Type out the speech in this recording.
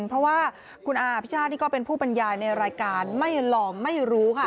เพราะว่าคุณอาพิชาตินี่ก็เป็นผู้บรรยายในรายการไม่ลองไม่รู้ค่ะ